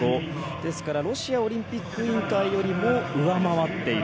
ですからロシアオリンピック委員会よりも上回っている。